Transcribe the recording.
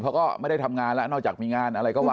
เขาก็ไม่ได้ทำงานแล้วนอกจากมีงานอะไรก็ว่า